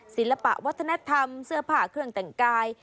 ศิลปะวัฒนธรรมเสื้อผ้าเครื่องแต่งกาย